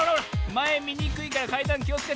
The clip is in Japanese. まえみにくいからかいだんきをつけて。